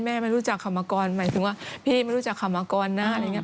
แม่ไม่รู้จักเขามาก่อนหมายถึงว่าพี่ไม่รู้จักเขามาก่อนนะอะไรอย่างนี้